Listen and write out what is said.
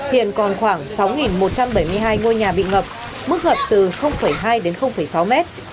hiện còn khoảng sáu một trăm bảy mươi hai ngôi nhà bị ngập mức ngập từ hai đến sáu mét